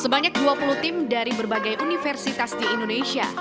sebanyak dua puluh tim dari berbagai universitas di indonesia